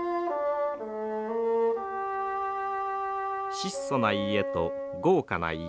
質素な家と豪華な家。